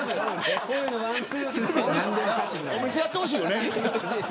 お店、やってほしいよね。